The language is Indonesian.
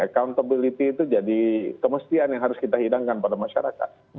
accountability itu jadi kemestian yang harus kita hidangkan pada masyarakat